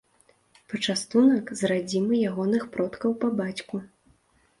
Пачастунак з радзімы ягоных продкаў па бацьку.